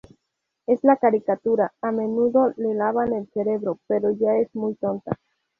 En la caricatura, a menudo le lavan el cerebro, pero ya es muy tonta.